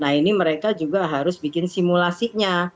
nah ini mereka juga harus bikin simulasinya